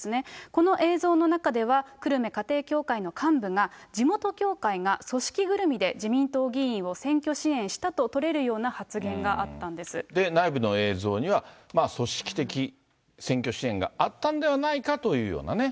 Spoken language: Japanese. この映像の中では久留米家庭教会の幹部が、地元教会が組織ぐるみで自民党議員を選挙支援したと取れるような内部の映像には、組織的選挙支援があったんではないかというようなね。